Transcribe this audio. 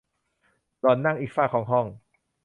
หล่อนนั่งอีกฟากของห้อง